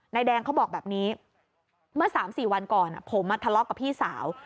นายแดงเขาบอกแบบนี้เมื่อ๓๔วันก่อนผมมาทะเลาะกับพี่สาว